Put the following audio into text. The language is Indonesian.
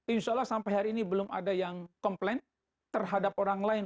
insya allah sampai hari ini belum ada yang komplain terhadap orang lain